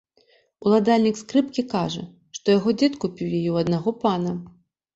Уладальнік скрыпкі кажа, што яго дзед купіў яе ў аднаго пана.